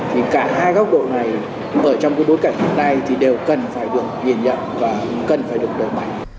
thì cả hai góc độ này ở trong cái bối cảnh hiện nay thì đều cần phải được nhìn nhận và cần phải được đẩy mạnh